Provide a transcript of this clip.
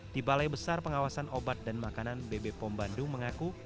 di balai besar pengawasan obat dan makanan bb pom bandung mengaku